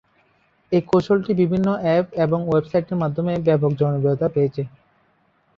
এই কৌশলটি বিভিন্ন অ্যাপ এবং ওয়েবসাইটের মাধ্যমে ব্যাপক জনপ্রিয়তা পেয়েছে।